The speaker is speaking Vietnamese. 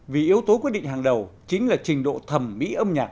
vì yếu tố quyết định hàng đầu chính là trình độ thẩm mỹ âm nhạc